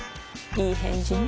いい返事ね